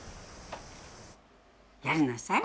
やりなさい。